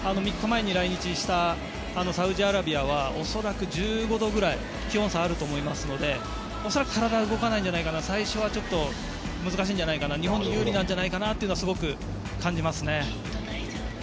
３日前に来日したサウジアラビアは恐らく１５度ぐらい気温差があると思いますので恐らく体が動かないんじゃないかな最初は難しいんじゃないかな日本に有利なんじゃないかなということをすごく感じますね。